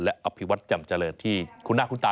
และอภิวัตรแจ่มเจริญที่คุณหน้าคุณตา